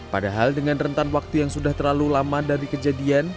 padahal dengan rentan waktu yang sudah terlalu lama dari kejadian